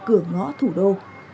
cửa ngõ thủ đô